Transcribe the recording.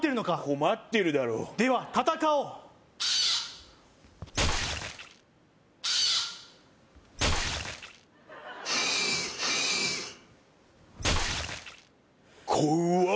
困ってるだろでは戦おうこわっ！